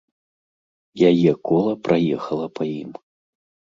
Яе кола праехала па ім.